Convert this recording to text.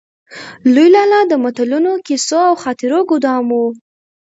لوی لالا د متلونو، کيسو او خاطرو ګودام و.